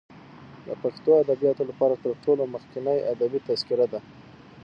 د پښتو ادبیاتو لپاره تر ټولو مخکنۍ ادبي تذکره ده.